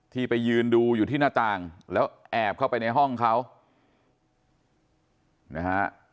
ไปยืนดูอยู่ที่หน้าต่างแล้วแอบเข้าไปในห้องเขานะฮะ